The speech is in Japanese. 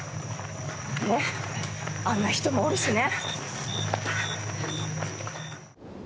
ああんな人もおるしね